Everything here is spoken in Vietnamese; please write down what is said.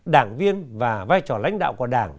đảng viên và vai trò lãnh đạo của đảng